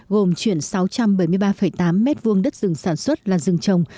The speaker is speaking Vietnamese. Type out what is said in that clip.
gồm chuyển sáu trăm bảy mươi ba tám m hai đất rừng sản xuất là rừng trồng